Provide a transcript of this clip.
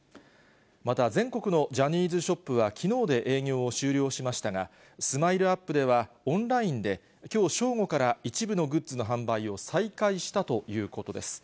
また全国のジャニーズショップはきのうで営業を終了しましたが、スマイルアップではオンラインで、きょう正午から一部のグッズの販売を再開したということです。